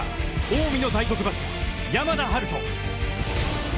近江の大黒柱・山田陽翔。